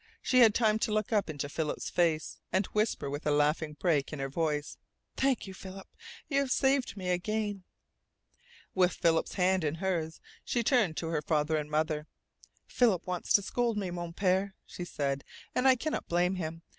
She had time to look up into Philip's face, and whisper with a laughing break in her voice: "Thank you, Philip. You have saved me again." With Philip's hand in hers she turned to her father and mother. "Philip wants to scold me, Mon Pere," she said. "And I cannot blame him.